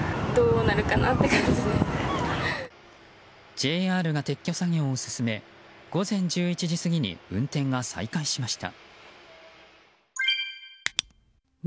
ＪＲが撤去作業を進め午前１１時過ぎに運転が再開しました。